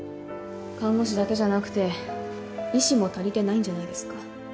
看護師だけじゃなくて医師も足りてないんじゃないですか？